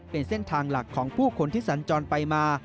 เป็นเส้นทางหลักของผู้คนที่สัญจรไปมา